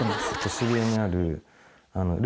渋谷にあるＬ